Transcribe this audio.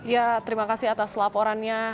ya terima kasih atas laporannya